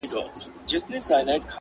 له ډېر غمه یې څښتن سو فریشانه,